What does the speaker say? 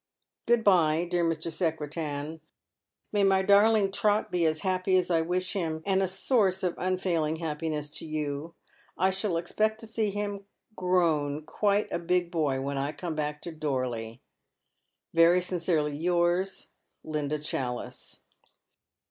" Good bye, dear Mr. Secretan ; may my darling Trot be as happy as I wish him, and a soui'ce of unfailing happiness to you. I shall expect to see him grown quite a big boy when I come back to Dorley. " Very sincerely yours, "Linda Challice."